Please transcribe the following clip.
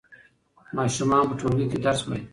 ماشومان په ټولګي کې درس وايي.